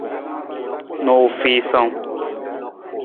Nuufiisang.